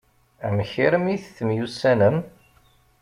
Amek armi temyussanem?